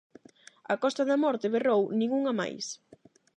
A Costa da Morte berrou "nin unha máis!".